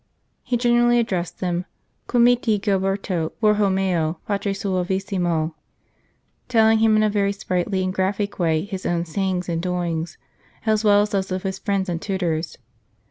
He generally^ addressed them " Comiti Giberto Bourhomeo Patri Suavissimo," telling him in a very sprightly and graphic way his own sayings and doings, as well as those of his friends and tutors.